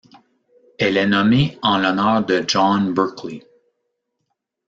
Elle est nommée en l'honneur de John Berkeley.